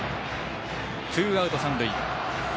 ツーアウト、三塁。